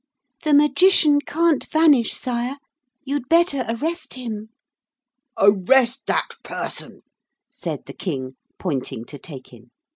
The Magician can't vanish, Sire. You'd better arrest him.' 'Arrest that person,' said the King, pointing to Taykin.